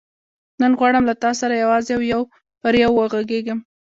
نن غواړم له تا سره یوازې او یو پر یو وغږېږم.